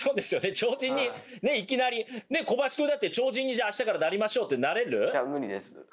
超人にいきなり小林くんだって超人にじゃあ明日からなりましょうってなれる？